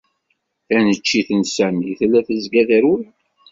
Taneččit n Sami tella tezga terwi.